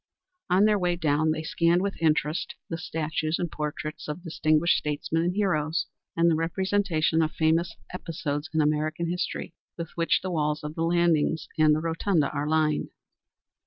On their way down they scanned with interest the statues and portraits of distinguished statesmen and heroes, and the representations of famous episodes in American history with which the walls of the landings and the rotunda are lined.